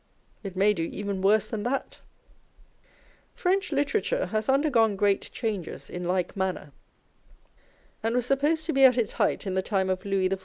It may do even worse than that ! French literature has undergone great changes in like manner, and was supposed to be at its height in the time of Louis XIV.